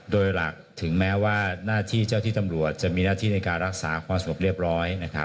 โดยหลักถึงแม้ว่าหน้าที่เจ้าที่ตำรวจจะมีหน้าที่ในการรักษาความสงบเรียบร้อย